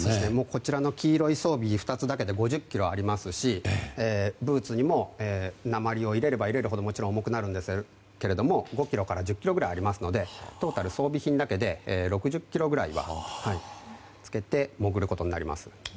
こちらの黄色い装備２つだけで５０ｋｇありますしブーツにも鉛を入れれば入れるほどもちろん重くなるんですけども５ｋｇから１０ｋｇぐらいありますのでトータル装備品だけで６０ｋｇぐらいは着けて潜ることになります。